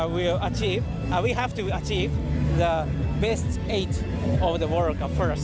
ก่อนหน้าเราต้องทำได้ที่สุดท้ายสุดท้ายของโลก